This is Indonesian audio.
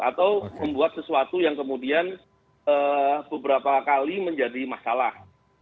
atau membuat sesuatu yang kemudian beberapa kali menjadi masalah